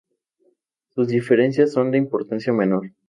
Sus diferencias son de importancia menor.